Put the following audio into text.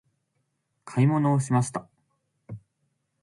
買い物をしました。